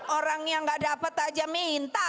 orang yang tidak dapat saja minta